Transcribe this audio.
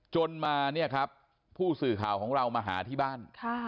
จนมาเนี่ยครับผู้สื่อข่าวของเรามาหาที่บ้าน